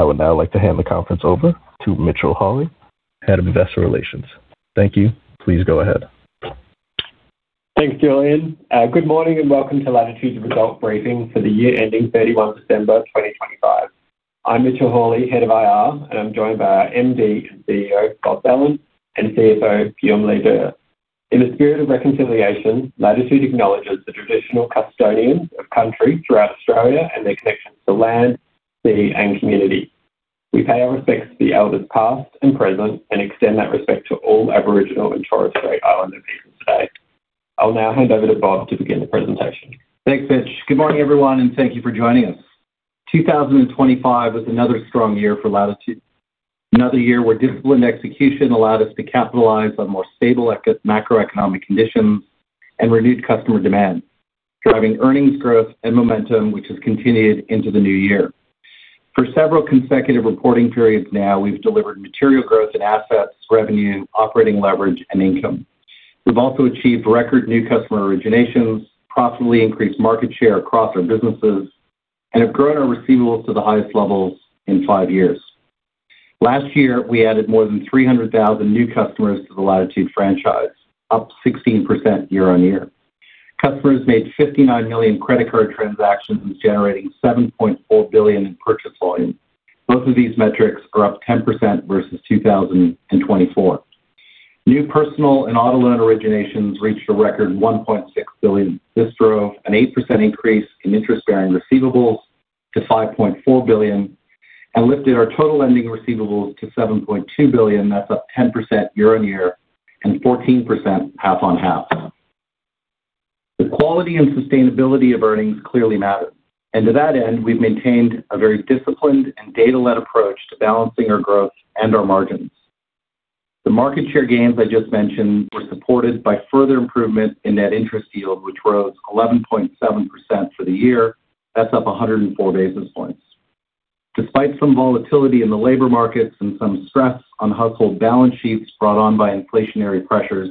I would now like to hand the conference over to Mitchell Hawley, Head of Investor Relations. Thank you. Please go ahead. Thanks, Julian. Good morning, and welcome to Latitude's result briefing for the year ending 31 December 2025. I'm Mitchell Hawley, Head of IR, and I'm joined by our MD and CEO, Bob Belan, and CFO, Guillaume Leger. In the spirit of reconciliation, Latitude acknowledges the traditional custodians of country throughout Australia and their connections to land, sea, and community. We pay our respects to the elders, past and present, and extend that respect to all Aboriginal and Torres Strait Islander people today. I'll now hand over to Bob to begin the presentation. Thanks, Mitch. Good morning, everyone, and thank you for joining us. 2025 was another strong year for Latitude. Another year where disciplined execution allowed us to capitalize on more stable macroeconomic conditions and renewed customer demand, driving earnings growth and momentum, which has continued into the new year. For several consecutive reporting periods now, we've delivered material growth in assets, revenue, operating leverage, and income. We've also achieved record new customer originations, profitably increased market share across our businesses, and have grown our receivables to the highest levels in five years. Last year, we added more than 300,000 new customers to the Latitude franchise, up 16% year-on-year. Customers made 59 million credit card transactions, generating 7.4 billion in purchase volume. Both of these metrics are up 10% versus 2024. New personal and auto loan originations reached a record 1.6 billion. This drove an 8% increase in interest-bearing receivables to 5.4 billion and lifted our total lending receivables to 7.2 billion. That's up 10% year-on-year and 14% half-on-half. The quality and sustainability of earnings clearly matter, and to that end, we've maintained a very disciplined and data-led approach to balancing our growth and our margins. The market share gains I just mentioned were supported by further improvement in net interest yield, which rose 11.7% for the year. That's up 104 basis points. Despite some volatility in the labor markets and some stress on household balance sheets brought on by inflationary pressures,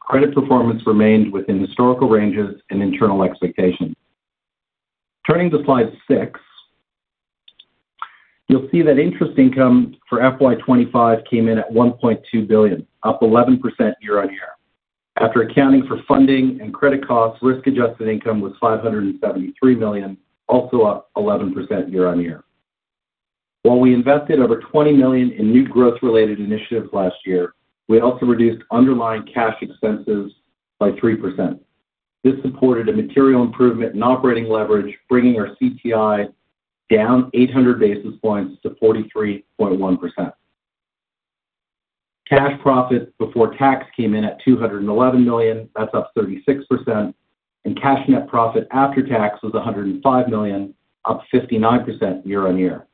credit performance remained within historical ranges and internal expectations. Turning to slide six, you'll see that interest income for FY25 came in at 1.2 billion, up 11% year-on-year. After accounting for funding and credit costs, risk-adjusted income was 573 million, also up 11% year-on-year. While we invested over 20 million in new growth-related initiatives last year, we also reduced underlying cash expenses by 3%. This supported a material improvement in operating leverage, bringing our CTI down 800 basis points to 43.1%. Cash profit before tax came in at 211 million, that's up 36%, and cash net profit after tax was 105 million, up 59% year-on-year.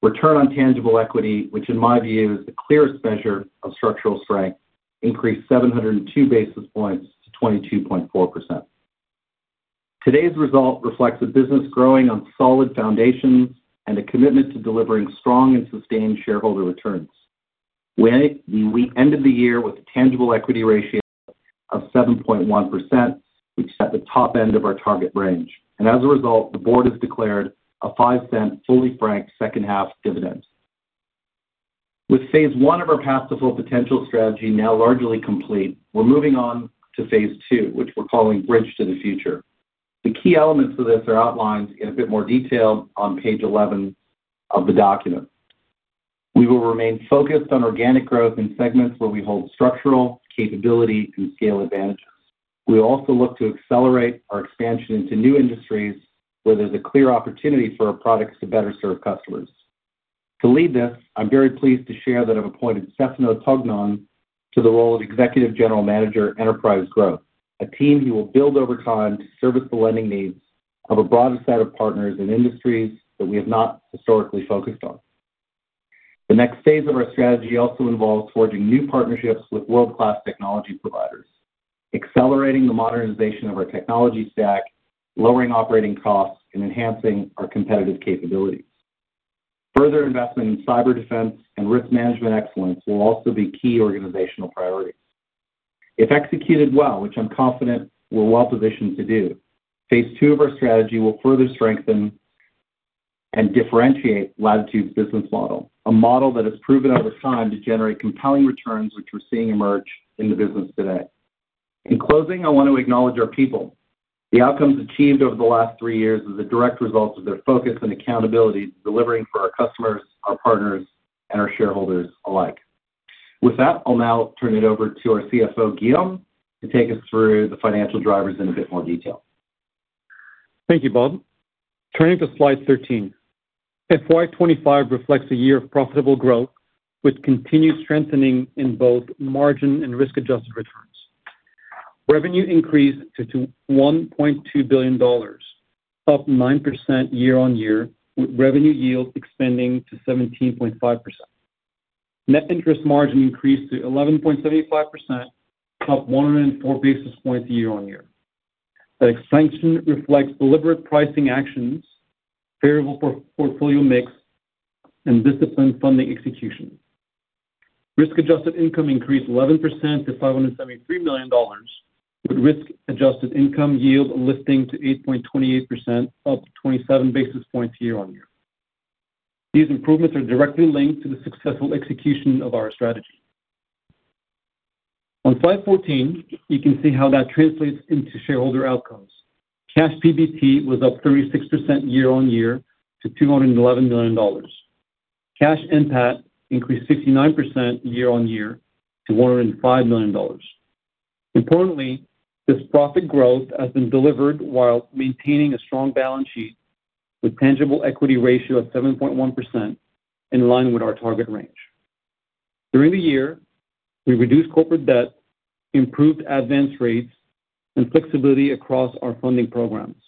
Return on tangible equity, which in my view is the clearest measure of structural strength, increased 702 basis points to 22.4%. Today's result reflects a business growing on solid foundations and a commitment to delivering strong and sustained shareholder returns. We ended the year with a tangible equity ratio of 7.1%, which is at the top end of our target range. And as a result, the board has declared a 0.05 fully franked second half dividend. With phase I of our Path to Full Potential strategy now largely complete, we're moving on to phase II, which we're calling Bridge to the Future. The key elements of this are outlined in a bit more detail on page 11 of the document. We will remain focused on organic growth in segments where we hold structural, capability, and scale advantages. We'll also look to accelerate our expansion into new industries where there's a clear opportunity for our products to better serve customers. To lead this, I'm very pleased to share that I've appointed Stefano Tognon to the role of Executive General Manager, Enterprise Growth, a team he will build over time to service the lending needs of a broader set of partners in industries that we have not historically focused on. The next phase of our strategy also involves forging new partnerships with world-class technology providers, accelerating the modernization of our technology stack, lowering operating costs, and enhancing our competitive capabilities. Further investment in cyber defense and risk management excellence will also be key organizational priorities. If executed well, which I'm confident we're well positioned to do, phase II of our strategy will further strengthen and differentiate Latitude's business model, a model that has proven over time to generate compelling returns which we're seeing emerge in the business today. In closing, I want to acknowledge our people. The outcomes achieved over the last three years is a direct result of their focus and accountability, delivering for our customers, our partners, and our shareholders alike. With that, I'll now turn it over to our CFO, Guillaume, to take us through the financial drivers in a bit more detail. Thank you, Bob. Turning to slide 13. FY25 reflects a year of profitable growth, which continued strengthening in both margin and risk-adjusted returns. Revenue increased to 1.2 billion dollars, up 9% year-on-year, with revenue yield expanding to 17.5%. Net interest margin increased to 11.75%, up 104 basis points year-on-year. That expansion reflects deliberate pricing actions, variable portfolio mix, and disciplined funding execution. Risk-adjusted income increased 11% to 573 million dollars, with risk-adjusted income yield lifting to 8.28%, up 27 basis points year-on-year. These improvements are directly linked to the successful execution of our strategy. On slide 14, you can see how that translates into shareholder outcomes. Cash PBT was up 36% year-on-year to 211 million dollars. Cash NPAT increased 69% year-on-year to 105 million dollars. Importantly, this profit growth has been delivered while maintaining a strong balance sheet with tangible equity ratio of 7.1%, in line with our target range. During the year, we reduced corporate debt, improved advance rates, and flexibility across our funding programs.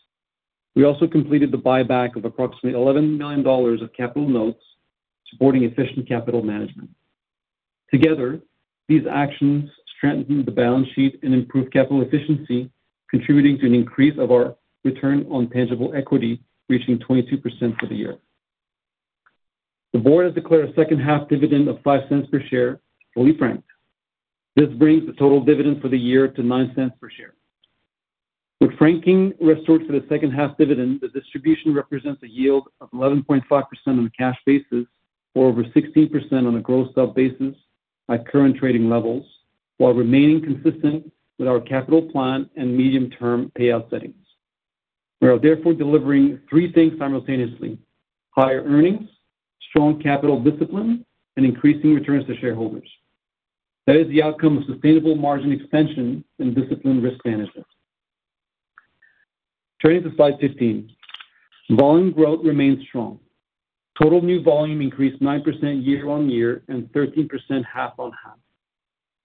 We also completed the buyback of approximately 11 million dollars of capital notes, supporting efficient capital management. Together, these actions strengthened the balance sheet and improved capital efficiency, contributing to an increase of our return on tangible equity, reaching 22% for the year. The board has declared a second-half dividend of 0.05 per share, fully franked. This brings the total dividend for the year to 0.09 per share. With franking restored for the second-half dividend, the distribution represents a yield of 11.5% on a cash basis, or over 16% on a gross self basis at current trading levels, while remaining consistent with our capital plan and medium-term payout settings. We are therefore delivering three things simultaneously: higher earnings, strong capital discipline, and increasing returns to shareholders. That is the outcome of sustainable margin expansion and disciplined risk management. Turning to slide 15. Volume growth remains strong. Total new volume increased 9% year-on-year and 13% half-on-half.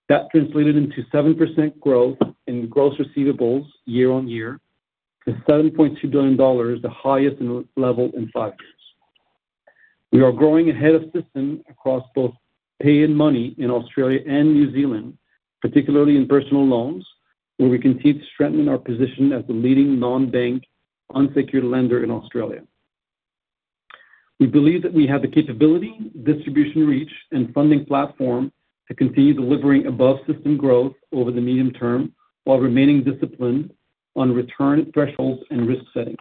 That translated into 7% growth in gross receivables year-on-year to 7.2 billion dollars, the highest in level in five years. We are growing ahead of system across both Pay and Money in Australia and New Zealand, particularly in personal loans, where we continue to strengthen our position as the leading non-bank unsecured lender in Australia. We believe that we have the capability, distribution reach, and funding platform to continue delivering above-system growth over the medium term while remaining disciplined on return thresholds and risk settings.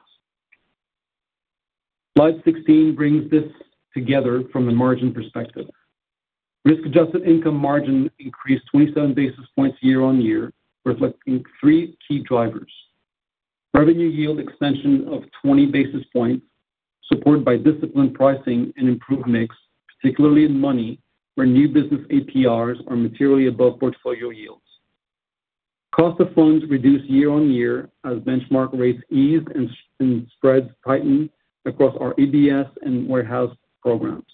Slide 16 brings this together from a margin perspective. Risk-adjusted income margin increased 27 basis points year-on-year, reflecting three key drivers. Revenue yield expansion of 20 basis points, supported by disciplined pricing and improved mix, particularly in Money, where new business APRs are materially above portfolio yields. Cost of funds reduced year-on-year as benchmark rates eased and spreads tightened across our ABS and warehouse programs.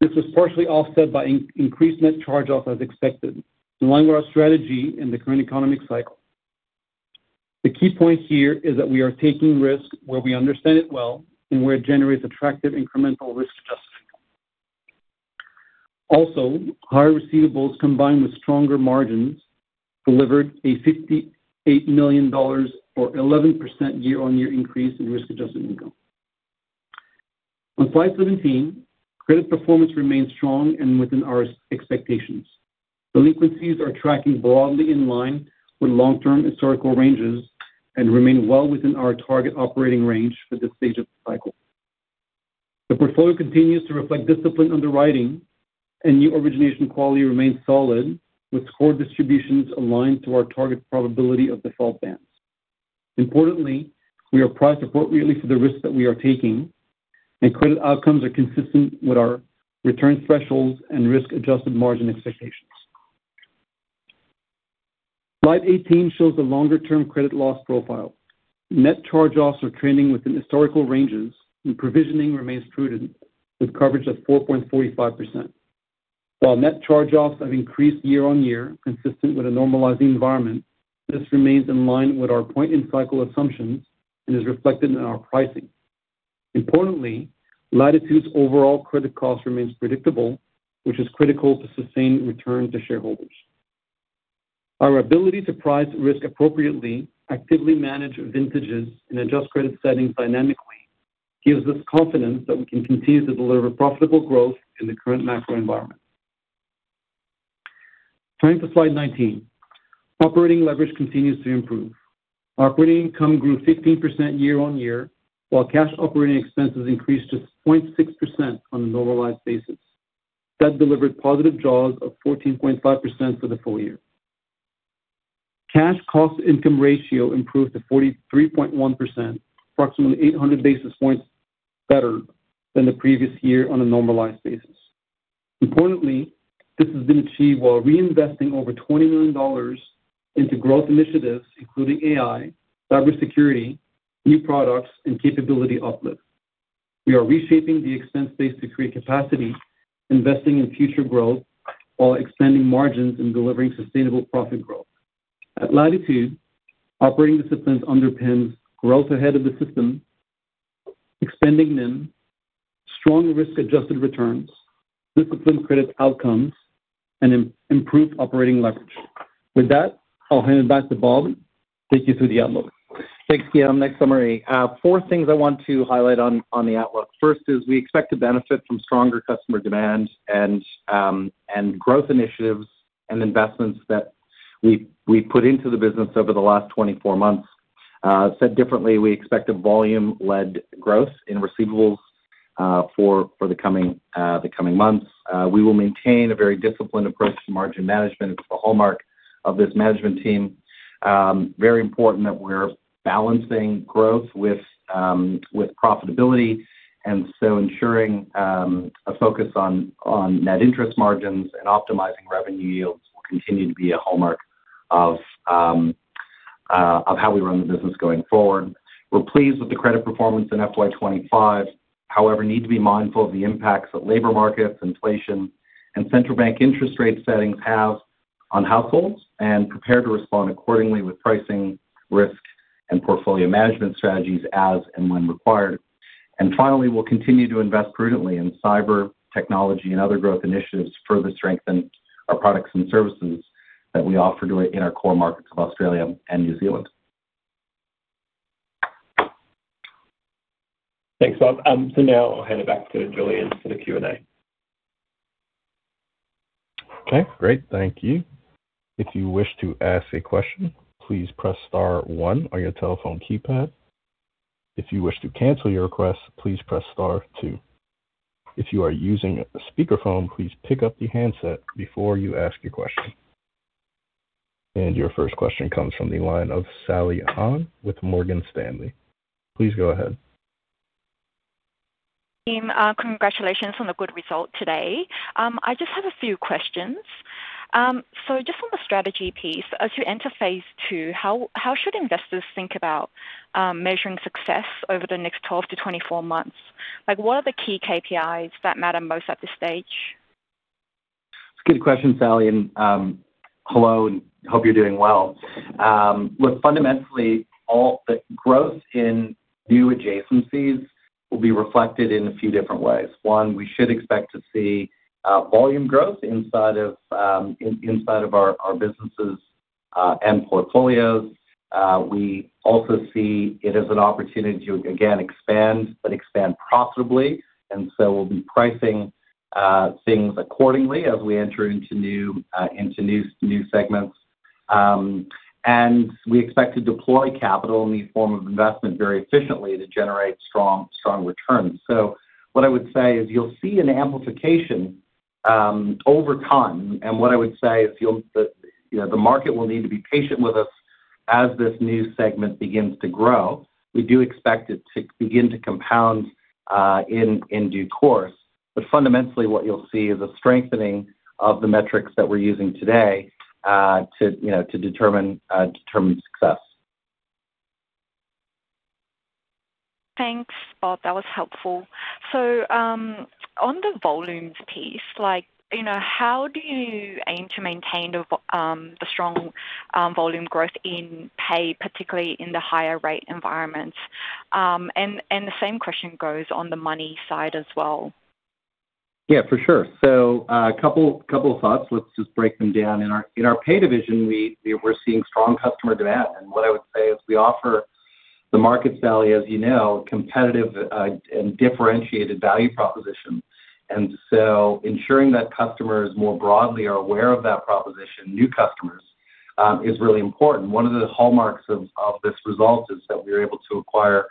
This was partially offset by increased net charge-off, as expected, in line with our strategy in the current economic cycle. The key point here is that we are taking risks where we understand it well and where it generates attractive incremental risk-adjusted income. Also, higher receivables, combined with stronger margins, delivered 58 million dollars or 11% year-on-year increase in risk-adjusted income. On slide 17, credit performance remains strong and within our expectations. Delinquencies are tracking broadly in line with long-term historical ranges and remain well within our target operating range for this stage of the cycle. The portfolio continues to reflect disciplined underwriting, and new origination quality remains solid, with score distributions aligned to our target probability of default bands. Importantly, we are priced appropriately for the risks that we are taking, and credit outcomes are consistent with our return thresholds and risk-adjusted margin expectations. Slide 18 shows the longer-term credit loss profile. Net charge-offs are trending within historical ranges, and provisioning remains prudent, with coverage of 4.45%. While net charge-offs have increased year-on-year, consistent with a normalizing environment, this remains in line with our point-in-cycle assumptions and is reflected in our pricing. Importantly, Latitude's overall credit cost remains predictable, which is critical to sustain return to shareholders. Our ability to price risk appropriately, actively manage vintages, and adjust credit settings dynamically gives us confidence that we can continue to deliver profitable growth in the current macro environment. Turning to slide 19. Operating leverage continues to improve. Operating income grew 15% year-on-year, while cash operating expenses increased 0.6% on a normalized basis. That delivered positive Jaws of 14.5% for the full year. Cash cost-to-income ratio improved to 43.1%, approximately 800 basis points better than the previous year on a normalized basis. Importantly, this has been achieved while reinvesting over 20 million dollars into growth initiatives, including AI, cybersecurity, new products, and capability uplift. We are reshaping the expense base to create capacity, investing in future growth while expanding margins and delivering sustainable profit growth. At Latitude, operating discipline underpins growth ahead of the system, expanding NIM, strong risk-adjusted returns, disciplined credit outcomes- ... and improve operating leverage. With that, I'll hand it back to Bob to take you through the outlook. Thanks, Guillaume. Next summary. Four things I want to highlight on the outlook. First is we expect to benefit from stronger customer demand and growth initiatives and investments that we put into the business over the last 24 months. Said differently, we expect a volume-led growth in receivables for the coming months. We will maintain a very disciplined approach to margin management. It's a hallmark of this management team. Very important that we're balancing growth with profitability, and so ensuring a focus on net interest margins and optimizing revenue yields will continue to be a hallmark of how we run the business going forward. We're pleased with the credit performance in FY 25. However, need to be mindful of the impacts that labor markets, inflation, and central bank interest rate settings have on households, and prepared to respond accordingly with pricing, risk, and portfolio management strategies as and when required. And finally, we'll continue to invest prudently in cyber, technology, and other growth initiatives to further strengthen our products and services that we offer to our in our core markets of Australia and New Zealand. Thanks, Bob. So now I'll hand it back to Julian for the Q&A. Okay, great. Thank you. If you wish to ask a question, please press star one on your telephone keypad. If you wish to cancel your request, please press star two. If you are using a speakerphone, please pick up the handset before you ask your question. Your first question comes from the line of Sally Hong with Morgan Stanley. Please go ahead. Team, congratulations on the good result today. I just have a few questions. So just on the strategy piece, as you enter phase II, how should investors think about measuring success over the next 12-24 months? Like, what are the key KPIs that matter most at this stage? It's a good question, Sally, and, hello, and hope you're doing well. Look, fundamentally, all the growth in new adjacencies will be reflected in a few different ways. One, we should expect to see volume growth inside of our businesses and portfolios. We also see it as an opportunity to, again, expand, but expand profitably, and so we'll be pricing things accordingly as we enter into new segments. And we expect to deploy capital in the form of investment very efficiently to generate strong, strong returns. So what I would say is you'll see an amplification over time. And what I would say is that, you know, the market will need to be patient with us as this new segment begins to grow. We do expect it to begin to compound in due course. But fundamentally, what you'll see is a strengthening of the metrics that we're using today to, you know, to determine success. Thanks, Bob. That was helpful. So, on the volumes piece, like, you know, how do you aim to maintain the strong volume growth in pay, particularly in the higher rate environments? And the same question goes on the money side as well. Yeah, for sure. So, a couple of thoughts. Let's just break them down. In our pay division, we're seeing strong customer demand, and what I would say is we offer the market, Sally, as you know, competitive, and differentiated value proposition. And so ensuring that customers more broadly are aware of that proposition, new customers, is really important. One of the hallmarks of this result is that we were able to acquire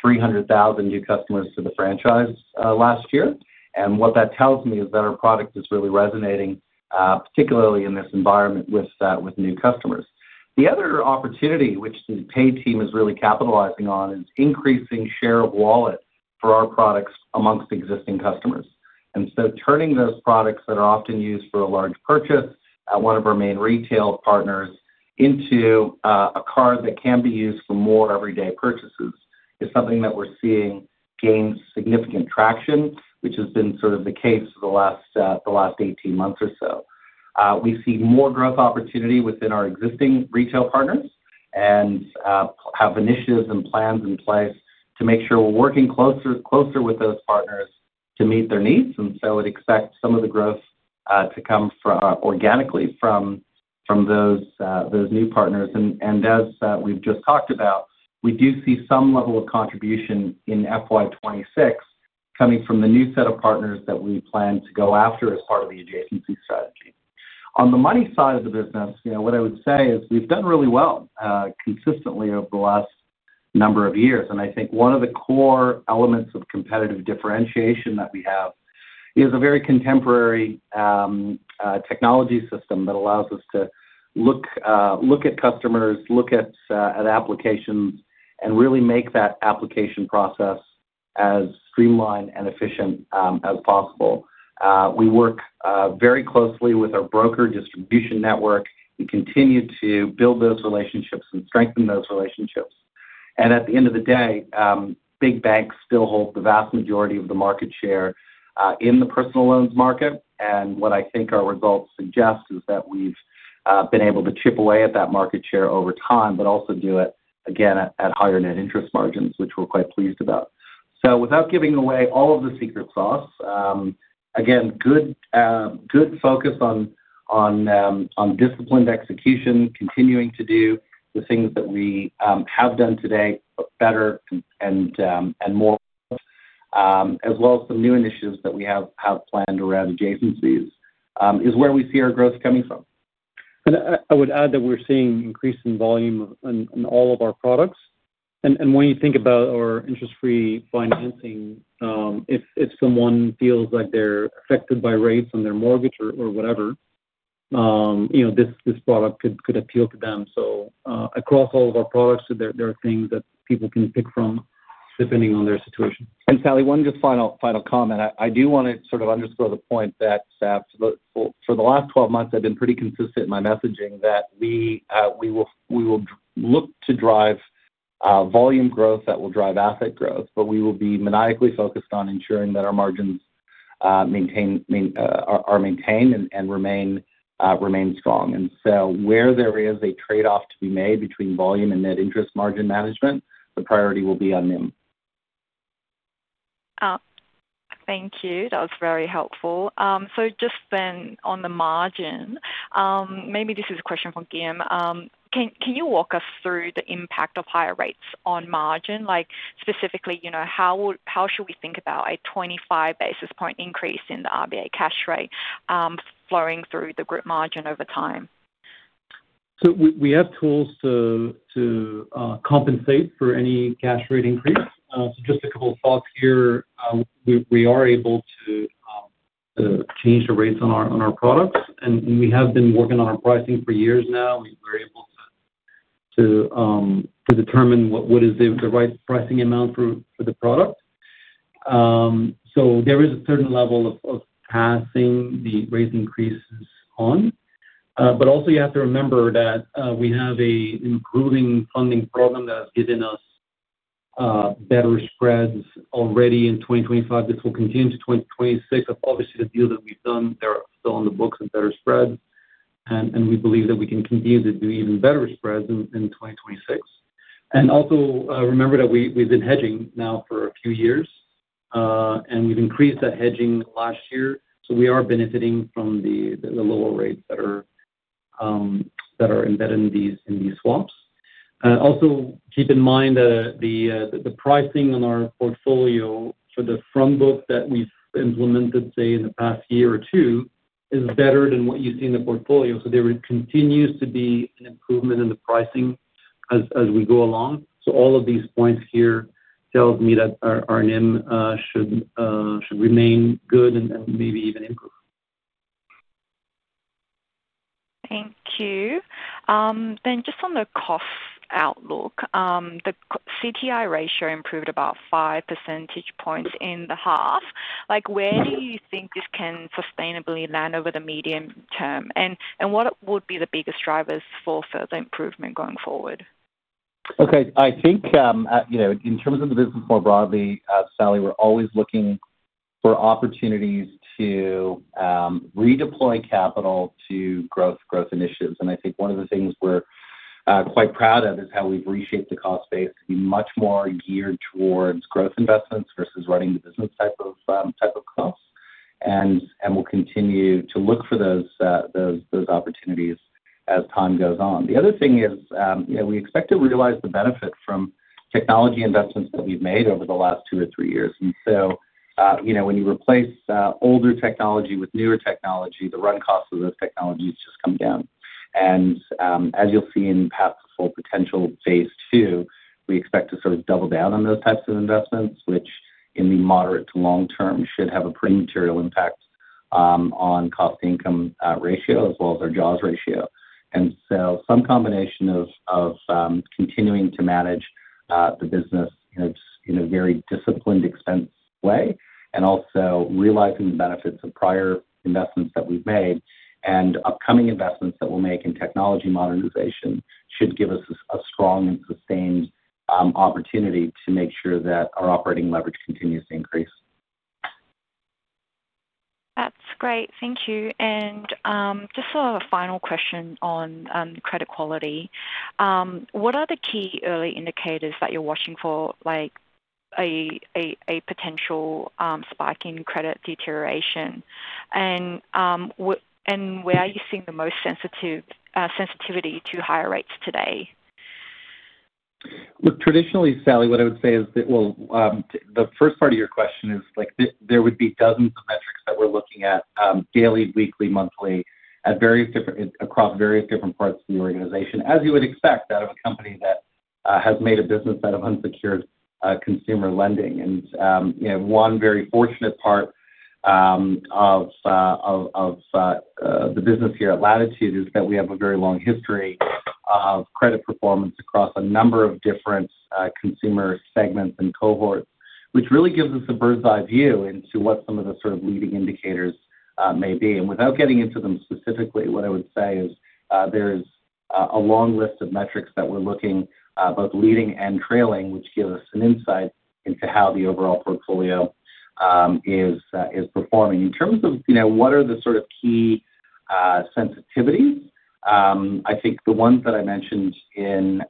300,000 new customers to the franchise, last year. And what that tells me is that our product is really resonating, particularly in this environment with new customers. The other opportunity, which the pay team is really capitalizing on, is increasing share of wallet for our products amongst existing customers. Turning those products that are often used for a large purchase at one of our main retail partners into a card that can be used for more everyday purchases is something that we're seeing gain significant traction, which has been sort of the case for the last 18 months or so. We see more growth opportunity within our existing retail partners and have initiatives and plans in place to make sure we're working closer with those partners to meet their needs. I'd expect some of the growth to come organically from those new partners. As we've just talked about, we do see some level of contribution in FY26 coming from the new set of partners that we plan to go after as part of the adjacency strategy. On the money side of the business, you know, what I would say is we've done really well, consistently over the last number of years. And I think one of the core elements of competitive differentiation that we have is a very contemporary technology system that allows us to look at customers, look at applications, and really make that application process as streamlined and efficient as possible. We work very closely with our broker distribution network. We continue to build those relationships and strengthen those relationships. And at the end of the day, big banks still hold the vast majority of the market share in the personal loans market, and what I think our results suggest is that we've-... Been able to chip away at that market share over time, but also do it again at higher net interest margins, which we're quite pleased about. So without giving away all of the secret sauce, again, good focus on disciplined execution, continuing to do the things that we have done today, but better and more. As well as some new initiatives that we have planned around adjacencies, is where we see our growth coming from. I would add that we're seeing increase in volume in all of our products. When you think about our interest-free financing, if someone feels like they're affected by rates on their mortgage or whatever, you know, this product could appeal to them. So, across all of our products, there are things that people can pick from depending on their situation. And Sally, one just final, final comment. I do wanna sort of underscore the point that for the last 12 months, I've been pretty consistent in my messaging that we will look to drive volume growth, that will drive asset growth, but we will be maniacally focused on ensuring that our margins are maintained and remain strong. And so where there is a trade-off to be made between volume and net interest margin management, the priority will be on NIM. Thank you. That was very helpful. So just then, on the margin, maybe this is a question for Guillaume. Can you walk us through the impact of higher rates on margin? Like, specifically, you know, how should we think about a 25 basis point increase in the RBA cash rate, flowing through the group margin over time? So we have tools to compensate for any cash rate increase. So just a couple of thoughts here. We are able to change the rates on our products, and we have been working on our pricing for years now. We were able to determine what is the right pricing amount for the product. So there is a certain level of passing the rate increases on. But also you have to remember that we have an improving funding program that has given us better spreads already in 2025. This will continue to 2026. Obviously, the deal that we've done, they're still on the books and better spreads. And we believe that we can continue to do even better spreads in 2026. Also, remember that we've been hedging now for a few years, and we've increased that hedging last year. So we are benefiting from the lower rates that are embedded in these swaps. Also, keep in mind, the pricing on our portfolio for the front book that we've implemented, say, in the past year or two, is better than what you see in the portfolio. So there continues to be an improvement in the pricing as we go along. So all of these points here tells me that our NIM should remain good and maybe even improve. Thank you. Then just on the cost outlook, the CTI ratio improved about five percentage points in the half. Like, where do you think this can sustainably land over the medium term? And what would be the biggest drivers for further improvement going forward? Okay. I think, you know, in terms of the business more broadly, Sally, we're always looking for opportunities to, redeploy capital to growth, growth initiatives. And I think one of the things we're, quite proud of is how we've reshaped the cost base to be much more geared towards growth investments versus running the business type of, type of costs. And, and we'll continue to look for those, those, those opportunities as time goes on. The other thing is, you know, we expect to realize the benefit from technology investments that we've made over the last two to three years. And so, you know, when you replace, older technology with newer technology, the run cost of those technologies just come down. And, as you'll see in Path to Full Potential Phase II, we expect to sort of double down on those types of investments, which in the moderate to long term, should have a pretty material impact, on cost-to-income ratio, as well as our Jaws ratio. And so some combination of, continuing to manage, the business in its, in a very disciplined, expense way, and also realizing the benefits of prior investments that we've made and upcoming investments that we'll make in technology modernization, should give us a strong and sustained, opportunity to make sure that our operating leverage continues to increase. That's great. Thank you. Just a final question on credit quality. What are the key early indicators that you're watching for, like a potential spike in credit deterioration? Where are you seeing the most sensitivity to higher rates today? Look, traditionally, Sally, what I would say is that... Well, the first part of your question is, like, there would be dozens of metrics that we're looking at daily, weekly, monthly, across various different parts of the organization, as you would expect out of a company that has made a business out of unsecured consumer lending. And, you know, one very fortunate part of the business here at Latitude is that we have a very long history of credit performance across a number of different consumer segments and cohorts, which really gives us a bird's-eye view into what some of the sort of leading indicators may be. And without getting into them specifically, what I would say is, there is-... a long list of metrics that we're looking, both leading and trailing, which give us an insight into how the overall portfolio is performing. In terms of, you know, what are the sort of key sensitivities, I think the ones that I mentioned in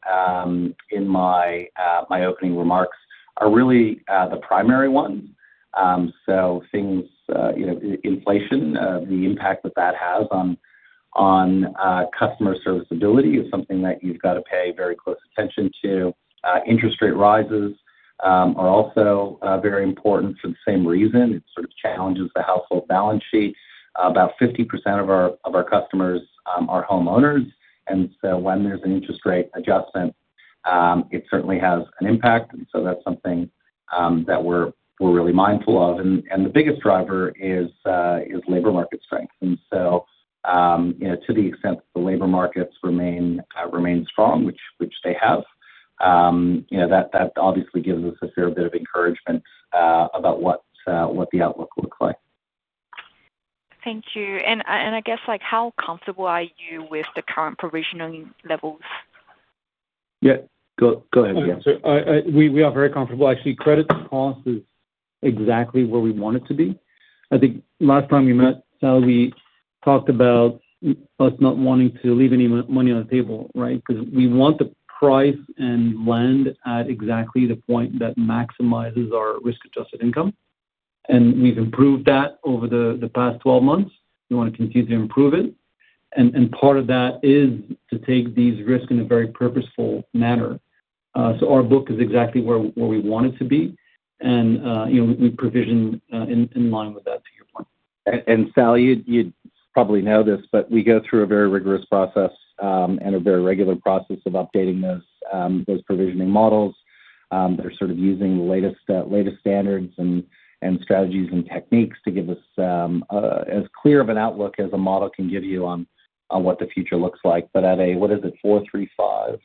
my opening remarks are really the primary ones. So things, you know, inflation, the impact that that has on customer serviceability is something that you've got to pay very close attention to. Interest rate rises are also very important for the same reason. It sort of challenges the household balance sheet. About 50% of our customers are homeowners, and so when there's an interest rate adjustment, it certainly has an impact. And so that's something that we're really mindful of. And the biggest driver is labor market strength. And so, you know, to the extent that the labor markets remain strong, which they have, you know, that obviously gives us a fair bit of encouragement about what the outlook looks like. Thank you. I guess, like, how comfortable are you with the current provisioning levels? Yeah. Go, go ahead again. Sorry. We are very comfortable. Actually, credit cost is exactly where we want it to be. I think last time we met, we talked about us not wanting to leave any money on the table, right? Because we want to price and lend at exactly the point that maximizes our risk-adjusted income, and we've improved that over the past 12 months. We want to continue to improve it. And part of that is to take these risks in a very purposeful manner. So our book is exactly where we want it to be, and you know, we provision in line with that, to your point. Sally, you'd probably know this, but we go through a very rigorous process and a very regular process of updating those provisioning models that are sort of using the latest standards and strategies and techniques to give us as clear of an outlook as a model can give you on what the future looks like. But at a, what is it? 4.35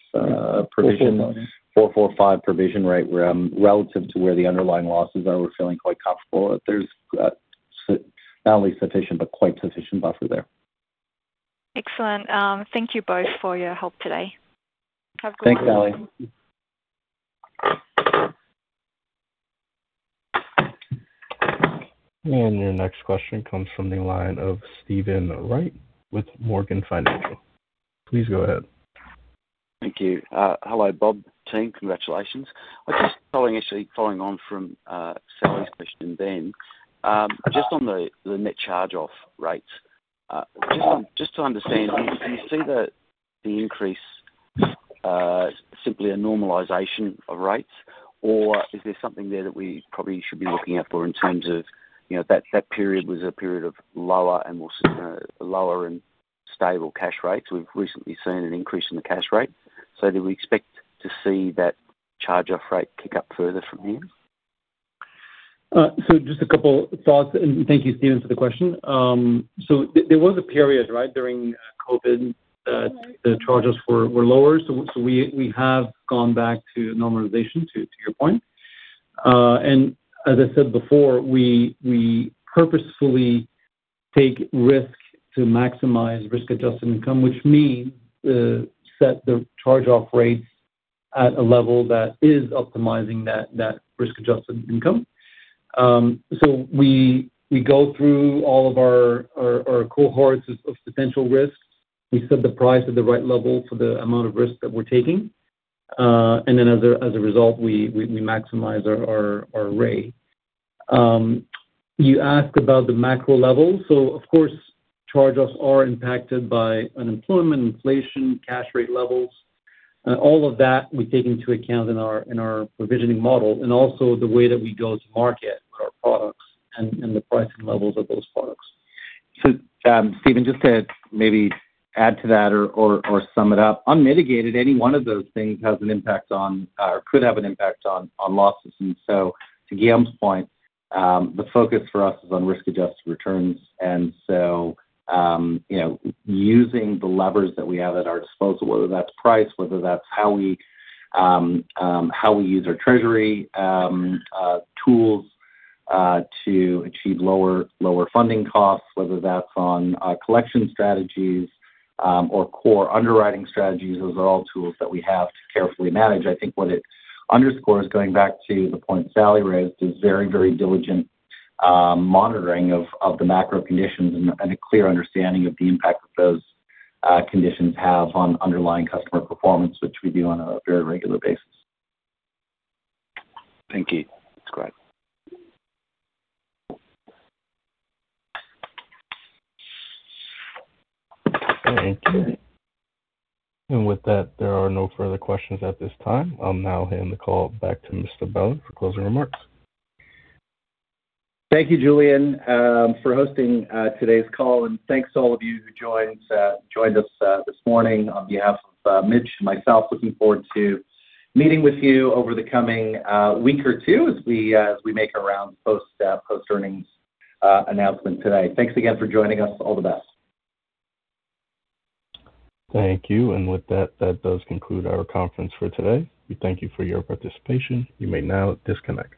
provision. 4.45 provision rate, where relative to where the underlying losses are, we're feeling quite comfortable that there's not only sufficient, but quite sufficient buffer there. Excellent. Thank you both for your help today. Have a good one. Thanks, Sally. Your next question comes from the line of Steven Wright with Morgans Financial. Please go ahead. Thank you. Hello, Bob, team. Congratulations. I'm just actually following on from Sally's question then. Just on the net charge-off rates, just to understand, do you see the increase simply a normalization of rates? Or is there something there that we probably should be looking out for in terms of, you know, that period was a period of lower and more lower and stable cash rates. We've recently seen an increase in the cash rate. So do we expect to see that charge-off rate kick up further from here? So just a couple thoughts, and thank you, Steven, for the question. So there was a period, right, during COVID, the charges were lower, so we have gone back to normalization, to your point. And as I said before, we purposefully take risk to maximize risk-adjusted income, which means, set the charge-off rates at a level that is optimizing that risk-adjusted income. So we go through all of our cohorts of potential risks. We set the price at the right level for the amount of risk that we're taking. And then as a result, we maximize our rate. You asked about the macro level. So of course, charge-offs are impacted by unemployment, inflation, cash rate levels. All of that we take into account in our provisioning model and also the way that we go to market with our products and the pricing levels of those products. So, Steven, just to maybe add to that or sum it up, unmitigated, any one of those things has an impact on, could have an impact on, on losses. And so to Guillaume's point, the focus for us is on risk-adjusted returns. And so, you know, using the levers that we have at our disposal, whether that's price, whether that's how we use our treasury tools to achieve lower funding costs, whether that's on collection strategies, or core underwriting strategies, those are all tools that we have to carefully manage. I think what it underscores, going back to the point Sally raised, is very, very diligent monitoring of the macro conditions and a clear understanding of the impact that those conditions have on underlying customer performance, which we do on a very regular basis. Thank you. That's great. Thank you. And with that, there are no further questions at this time. I'll now hand the call back to Mr. Belan for closing remarks. Thank you, Julian, for hosting today's call, and thanks to all of you who joined us this morning. On behalf of Mitch and myself, looking forward to meeting with you over the coming week or two as we make around post-earnings announcement today. Thanks again for joining us. All the best. Thank you. And with that, that does conclude our conference for today. We thank you for your participation. You may now disconnect.